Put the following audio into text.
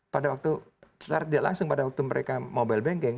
pada waktu secara tidak langsung pada waktu mereka mobile banking